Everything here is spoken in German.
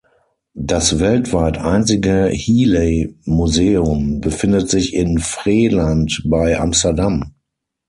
Das weltweit einzige Healey-Museum befindet sich in Vreeland bei Amsterdam.